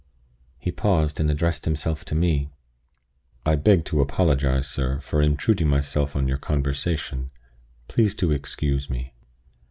He paused, and addressed himself to me. "I beg to apologize, sir, for intruding myself on your conversation. Please to excuse me."